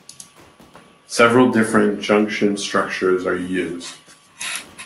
Several different junction structures are used.